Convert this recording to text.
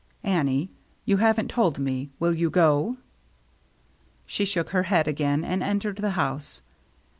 "Annie, you haven't told me. Will you go?" She shook her head again, and entered the house.